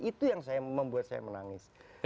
itu yang membuat saya menangis